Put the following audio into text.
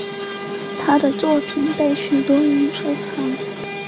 她的作品被许多人收藏。